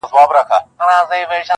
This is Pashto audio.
o يوه کډه دبلي زړه کاږي٫